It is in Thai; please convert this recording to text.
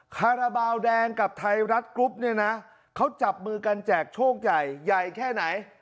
คาราบาลแดงกับไทยรัฐกรุ๊ปเนี่ยนะเขาจับมือกันแจกโชคใหญ่ใหญ่แค่ไหน